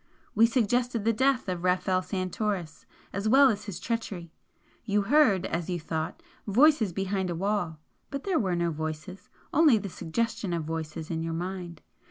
We suggested the death of Rafel Santoris as well as his treachery, you heard, as you thought, voices behind a wall but there were no voices only the suggestion of voices in your mind.